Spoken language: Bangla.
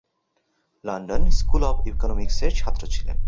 লন্ডন স্কুল অব ইকোনমিক্স এর ছাত্র ছিলেন।